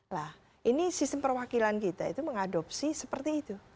nah ini sistem perwakilan kita itu mengadopsi seperti itu